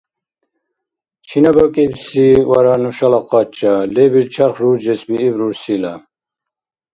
Чина бикибси вара нушала къача? – лебил чарх руржесбииб рурсила.